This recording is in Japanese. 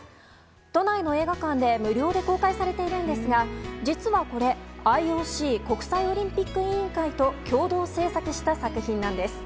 都内の映画館で無料で公開されているんですが実はこれ、ＩＯＣ・国際オリンピック委員会と共同制作した作品なんです。